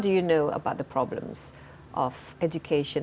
bagaimana kamu tahu masalah pendidikan